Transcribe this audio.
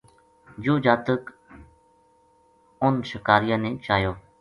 یوہ جاتک اَنھ شکاریاں نے چایو